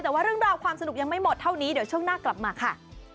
แต่ว่าเรื่องราวความสนุกยังไม่หมดเท่านี้เดี๋ยวช่วงหน้ากลับมาค่ะ